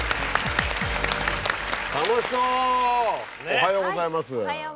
おはようございます。